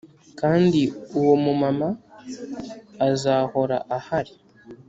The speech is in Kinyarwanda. kandi uwo mu mama azahora ahari